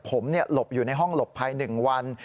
ผมหลบอยู่ในห้องหลบภัย๑วัน